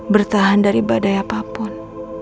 bertahan dari badai apapun